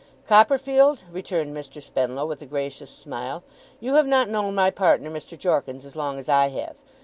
'Copperfield,' returned Mr. Spenlow, with a gracious smile, 'you have not known my partner, Mr. Jorkins, as long as I have.